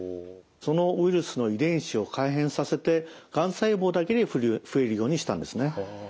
そのウイルスの遺伝子を改変させてがん細胞だけに増えるようにしたんですね。